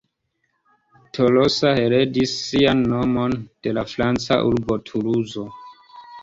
Tolosa heredis sian nomon de la franca urbo Tuluzo.